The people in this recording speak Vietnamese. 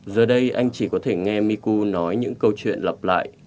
giờ đây anh chỉ có thể nghe miku nói những câu chuyện lặp lại